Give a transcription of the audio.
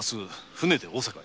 船で大坂へ。